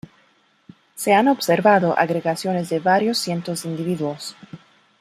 Se han observado agregaciones de varios cientos de individuos.